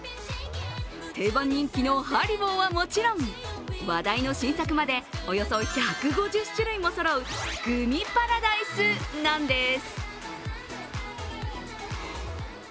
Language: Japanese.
定番人気のハリボーはもちろん話題の新作まで、およそ１５０種類もそろうグミパラダイスなんです。